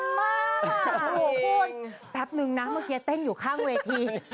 โอ้โหคุณแป๊บนึงนะเมื่อกี้เต้นอยู่ข้างเวที